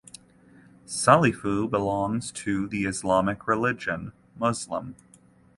Salifu belongs to the Islamic Religion(Muslim).